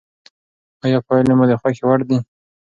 آیا پایلې مو د خوښې وړ دي؟